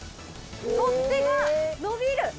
取っ手が伸びる。